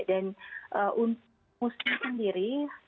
dan untuk musim sendiri